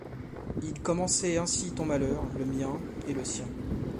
Il commençait ainsi ton malheur, le mien et le sien.